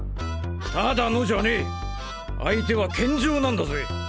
ただのじゃねえ相手は健丈なんだぜ！